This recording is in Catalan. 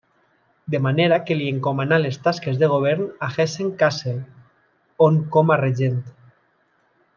De manera que li encomanà les tasques de govern de Hessen-Kassel, on com a regent.